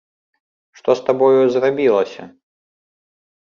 Што з табою зрабілася?